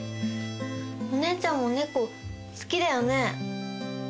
お姉ちゃんも猫好きだよね？